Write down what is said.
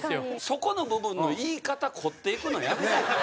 そこの部分の言い方凝っていくのやめや？